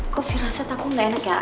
kok viraset aku gak enak ya